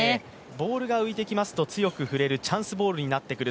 ボールが浮いていきますと強く振れるチャンスボールになってくる。